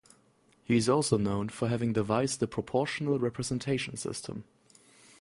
He is also known for having devised the proportional representation system.